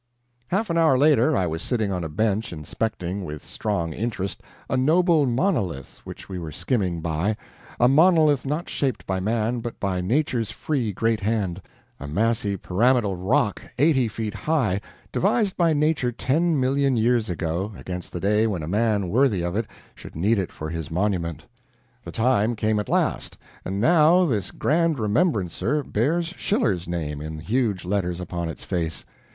Half an hour later I was sitting on a bench inspecting, with strong interest, a noble monolith which we were skimming by a monolith not shaped by man, but by Nature's free great hand a massy pyramidal rock eighty feet high, devised by Nature ten million years ago against the day when a man worthy of it should need it for his monument. The time came at last, and now this grand remembrancer bears Schiller's name in huge letters upon its face.